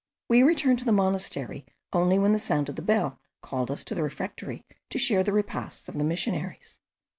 We returned to the monastery only when the sound of the bell called us to the refectory to share the repasts of the missionaries.